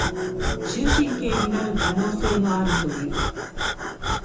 終身刑になる可能性もあるという。